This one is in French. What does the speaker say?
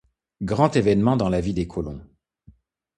Grand événement dans la vie des colons!